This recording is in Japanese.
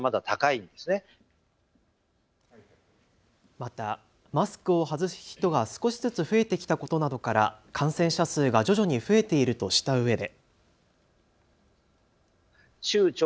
またマスクを外す人が少しずつ増えてきたことなどから感染者数が徐々に増えているとしたうえで。